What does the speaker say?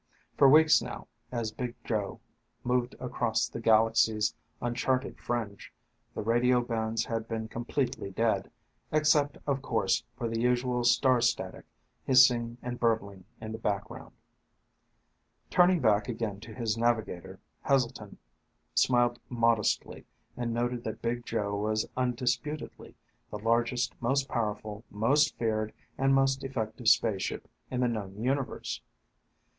For weeks now, as Big Joe moved across the galaxy's uncharted fringe, the radio bands had been completely dead, except, of course, for the usual star static hissing and burbling in the background. Turning back again to his navigator, Heselton smiled modestly and noted that Big Joe was undisputedly the largest, most powerful, most feared, and most effective spaceship in the known universe.